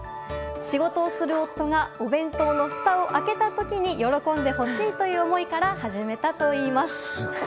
仕事をする夫がお弁当のふたを開けた時に喜んでほしいという思いから始めたといいます。